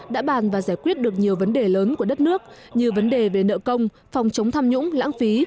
đã bàn và giải quyết được nhiều vấn đề lớn của đất nước như vấn đề về nợ công phòng chống tham nhũng lãng phí